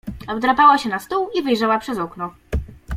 Wdrapała się na stół i wyjrzała przez okno.